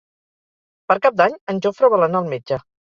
Per Cap d'Any en Jofre vol anar al metge.